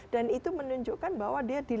dan itu menunjukkan bahwa dia di